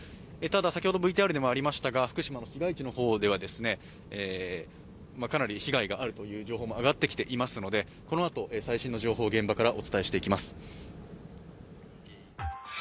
ただ先ほどＶＴＲでもありましたが福島の被災地の方ではですね、かなり被害があるという情報も上がってきていますので、この後最新の情報を現場からお伝えしていきます。